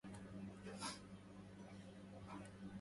لنا أخ كل فخر